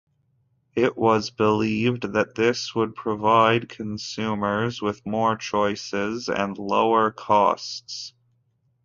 It was believed that this would provide consumers with more choices and lower costs.